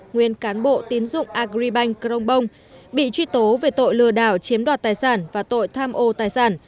nguyên cán bộ tín dụng agribank crongbong bị truy tố về tội lừa đảo chiếm đoạt tài sản và tội tham ô tài sản